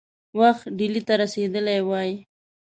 وخت ډهلي ته رسېدلی وای.